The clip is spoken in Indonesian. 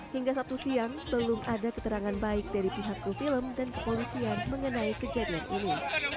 hingga sabtu siang belum ada keterangan baik dari pihak kru film dan kepolisian mengenai kejadian ini